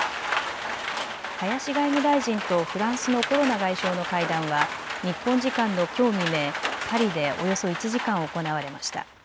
林外務大臣とフランスのコロナ外相の会談は日本時間のきょう未明、パリでおよそ１時間、行われました。